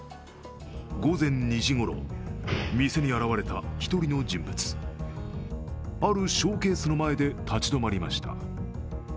午前２時ごろ、店に現れた１人の人物あるショーケースの前で立ち止まりました。